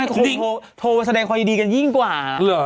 ให้ทรงโทรแสดงคอยดีกันยิ่งกว่า